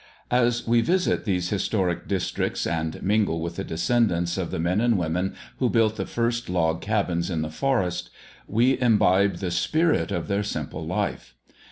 As we visit these historic districts and mingle with the descendants of the men and women who built the first log cabins in the forest, we imbibe the spirit of their simple life.